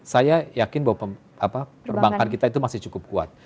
saya yakin bahwa perbankan kita itu masih cukup kuat